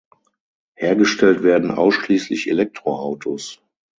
Hergestellt werden ausschließlich Elektroautos.